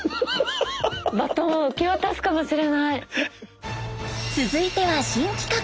バトンを受け渡すかもしれない。